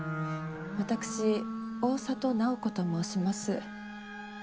私大郷楠宝子と申します。